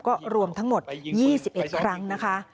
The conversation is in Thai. ก็รวมทั้งหมด๒๑ครั้งนะคะ